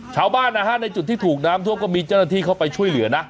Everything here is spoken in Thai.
ชาวบ้านนะฮะในจุดที่ถูกน้ำท่วมก็มีเจ้าหน้าที่เข้าไปช่วยเหลือนะ